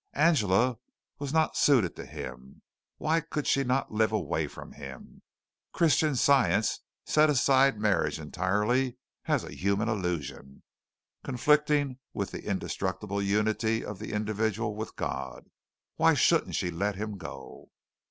Angela was not suited to him. Why could she not live away from him? Christian Science set aside marriage entirely as a human illusion, conflicting with the indestructible unity of the individual with God. Why shouldn't she let him go?